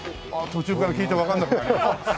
途中から聞いてわからなくなりました。